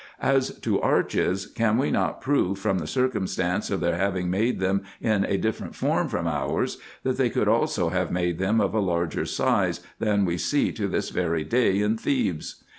As to arches, can we not prove, from the circumstance of their having made them in a different form from ours, that they could also have made them of a larger size, than we see to this very day in Thebes